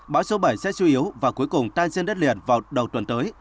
báo số bảy sẽ sưu yếu và cuối cùng tan trên đất liền vào đầu tuần tới